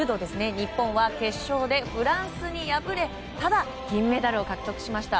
日本は決勝でフランスに敗れただ、銀メダルを獲得しました。